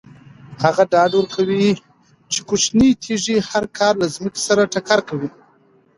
هغه ډاډ ورکوي چې کوچنۍ تیږې هر کال له ځمکې سره ټکر کوي.